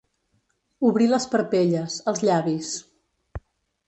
Obrir les parpelles, els llavis.